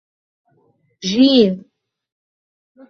ج